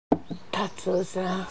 達雄さん